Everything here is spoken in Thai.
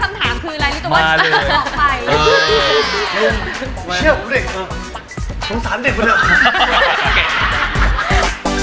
ก็จะบอกเอ้ยโยนให้พวกนี้เดี๋ยวเนี้ย